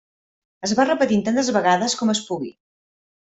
Es va repetint tantes vegades com es pugui.